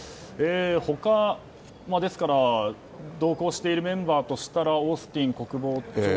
他同行しているメンバーとしたらオースティン国防長官。